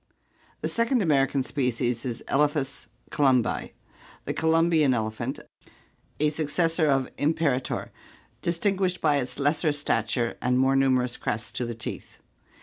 The second American species is Elephas columbi, the Columbian elephant, a successor of imperator, distinguished by its lesser stat ure and more numerous crests to the teeth.